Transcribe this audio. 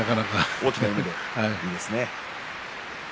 大きな夢でいいですね。